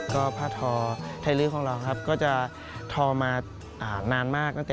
ก็ผ้าทอไทยลื้อของเราครับก็จะทอมานานมาก